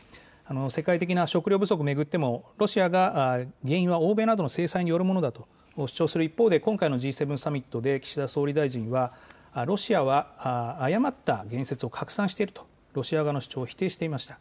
世界的な食料不足を巡ってもロシアが原因は欧米などの制裁によるものだと主張する一方で、今回のＧ７サミットで岸田総理大臣は、ロシアは誤った言説を拡散していると、ロシア側の主張を否定していました。